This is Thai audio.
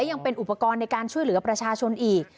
ยังเป็นอุปกรณ์ในการช่วยเหลือประชาชนอีก